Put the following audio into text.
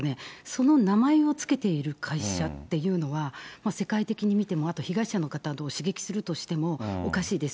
その名前を付けている会社っていうのは、世界的に見ても、あと被害者の方を刺激するとしても、おかしいです。